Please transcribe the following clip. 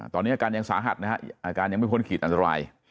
ตอนนี้อาการยังสาหัสนะฮะอาการยังไม่พ้นขีดอันตราย